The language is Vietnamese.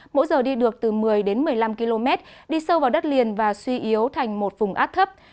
mỗi giờ đi được từ một mươi đến một mươi năm km đi sâu vào đất liền và suy yếu thành một vùng áp thấp